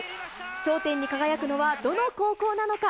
頂点に輝くのはどの高校なのか。